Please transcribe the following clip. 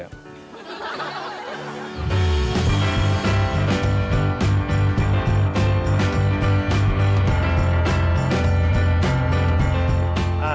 จะชอบกัน